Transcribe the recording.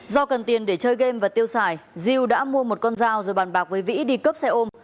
do cần tiền để chơi game và tiêu xài diêu đã mua một con dao rồi bàn bạc với vĩ đi cướp xe ôm